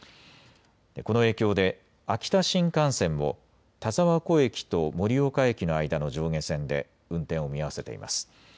この影響で秋田新幹線も田沢湖駅と盛岡駅の間の上下線で運転を見合わせています。